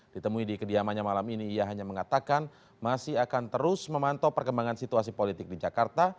ditemui di kediamannya malam ini ia hanya mengatakan masih akan terus memantau perkembangan situasi politik di jakarta